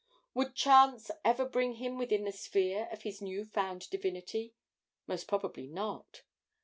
Would chance ever bring him within the sphere of his new found divinity? Most probably not.